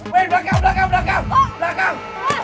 belakang belakang belakang